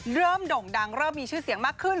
แล้วมีชื่อเสียงมากขึ้น